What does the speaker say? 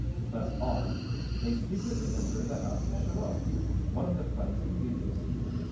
Thus armed, they secretly entered the house of Cha´ron, one of their friends in Thebes.